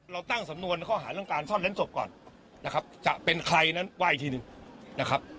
เราตั้งสำนวนข้อหาเรื่องการซ่อนเล้นศพก่อนนะครับจะเป็นใครนั้นว่าอีกทีหนึ่งนะครับ